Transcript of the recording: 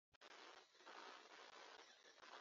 ragiza ubwoko bwawe inkoni yawe umukumbi wanjye